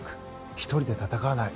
１人で戦わない。